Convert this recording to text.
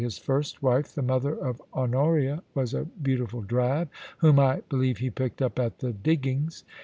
His first wife, the mother of Honoria, was a beautiful drab, whom I believe he picked up at the Diggings.